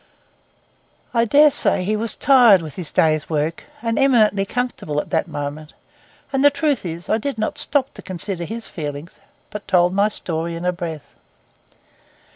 I dare say he was tired with his day's work, and eminently comfortable at that moment; and the truth is, I did not stop to consider his feelings, but told my story in a breath.